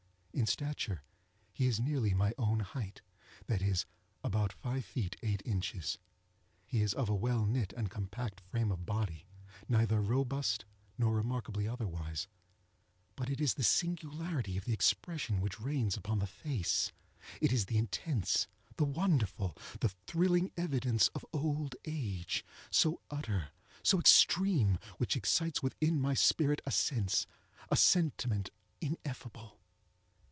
In stature he is nearly my own height; that is, about five feet eight inches. He is of a well knit and compact frame of body, neither robust nor remarkably otherwise. But it is the singularity of the expression which reigns upon the face—it is the intense, the wonderful, the thrilling evidence of old age, so utter, so extreme, which excites within my spirit a sense—a sentiment ineffable.